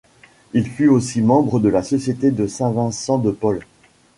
Il fut aussi membre de la Société de Saint-Vincent-de-Paul.